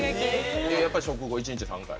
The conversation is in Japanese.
やっぱり食後１日３回？